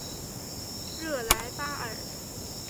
热莱巴尔。